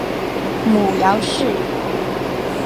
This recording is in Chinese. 母姚氏。